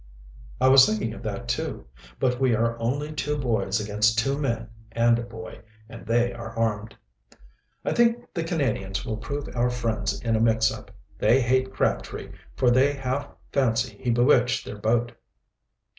"I was thinking of that, too. But we are only two boys against two men and a boy, and they are armed." "I think the Canadians will prove our friends in a mix up. They hate Crabtree, for they half fancy he bewitched their boat."